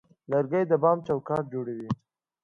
لرګی د بام چوکاټ جوړوي.